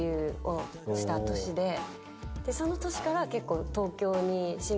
その年から結構。